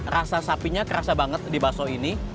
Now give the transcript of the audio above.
rasa sapinya kerasa banget di bakso ini